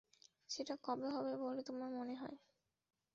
সেটা কবে হবে বলে তোমার মনে হয়?